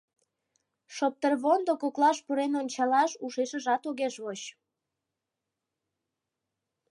Шоптырвондо коклаш пурен ончалаш ушешыжат огеш воч.